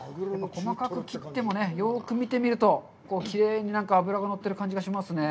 細かく切ってもね、よく見てみると、きれいに脂が乗っている感じがしますね。